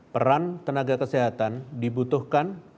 peran tenaga kesehatan dibutuhkan